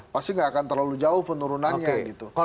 pasti nggak akan terlalu jauh penurunannya gitu